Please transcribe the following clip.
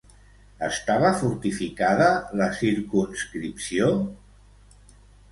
Estava fortificada la circumscripció?